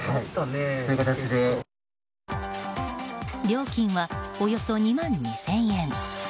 料金は、およそ２万２０００円。